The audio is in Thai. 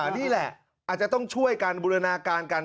นี่แหละอาจจะต้องช่วยกันบูรณาการกัน